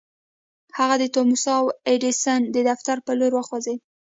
هغه د توماس اې ايډېسن د دفتر پر لور وخوځېد.